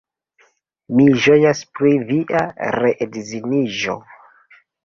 Mi ĝojas pri via reedziniĝo.